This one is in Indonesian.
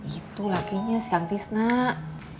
itu lakinya si kang tis nak